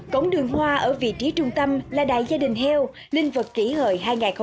cổng đường hoa ở vị trí trung tâm là đại gia đình heo linh vật kỷ hợi hai nghìn một mươi chín